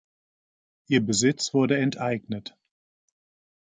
Ihr Besitz wurde enteignet.